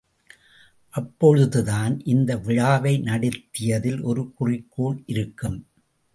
அப்பொழுதுதான் இந்த விழாவை நடத்தியதில் ஒரு குறிக்கோள் இருக்கும்.